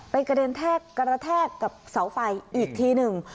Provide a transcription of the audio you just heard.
ไปกระแทกกับเสาไฟอีกทีหนึ่ง